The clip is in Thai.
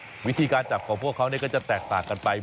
วิธีการจับของพวกเขาก็จะแตกต่างกันไป